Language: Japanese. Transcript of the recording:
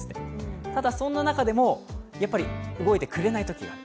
ただそんな中でも動いてくれないときがある。